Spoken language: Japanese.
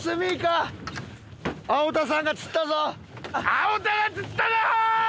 青田が釣ったぞー！